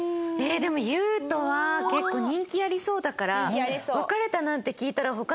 でも優斗は結構人気ありそうだから別れたなんて聞いたら。